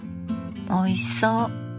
おいしそう！